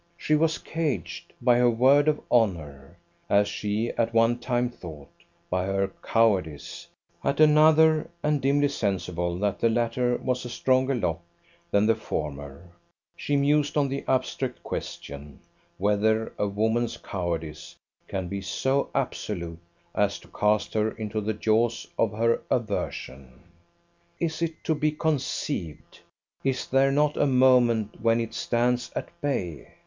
she was caged; by her word of honour, as she at one time thought; by her cowardice, at another; and dimly sensible that the latter was a stronger lock than the former, she mused on the abstract question whether a woman's cowardice can be so absolute as to cast her into the jaws of her aversion. Is it to be conceived? Is there not a moment when it stands at bay?